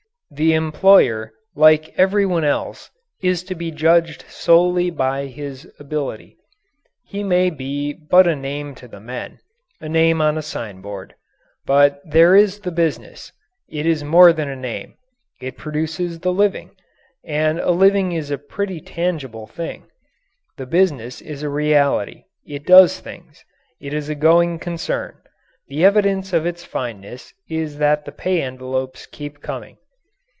The employer, like everyone else, is to be judged solely by his ability. He may be but a name to the men a name on a signboard. But there is the business it is more than a name. It produces the living and a living is a pretty tangible thing. The business is a reality. It does things. It is a going concern. The evidence of its fitness is that the pay envelopes keep coming.